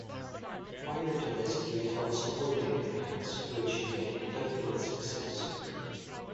Prior to this he had held subordinate commands which he had conducted with success.